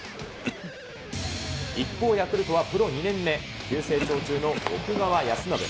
一方、ヤクルトはプロ２年目、急成長中の奥川恭伸。